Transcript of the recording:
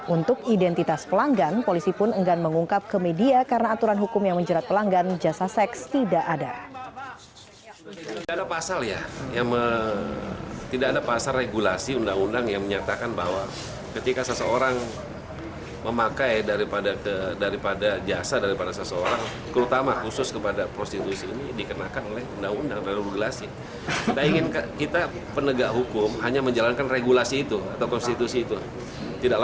untuk identitas pelanggan polisi pun enggan mengungkap ke media karena aturan hukum yang menjerat pelanggan jasa seks tidak ada